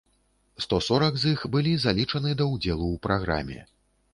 Сто сорак з іх былі залічаны да ўдзелу ў праграме.